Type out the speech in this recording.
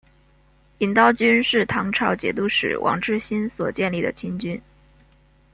银刀军是唐朝节度使王智兴所建立的亲军。